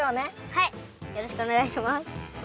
はいよろしくおねがいします。